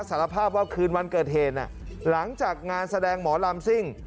สารภาพว่าคืนวันเกิดเหตุหลังจากงานแสดงหมอลำซิ่ง